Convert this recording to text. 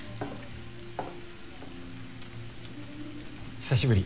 久しぶり。